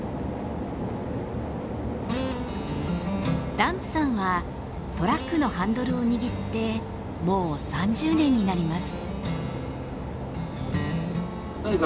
ダンプさんはトラックのハンドルを握ってもう３０年になります。